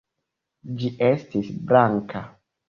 Ĝi estis blanka.